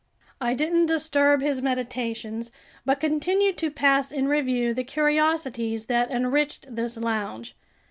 I didn't disturb his meditations but continued to pass in review the curiosities that enriched this lounge.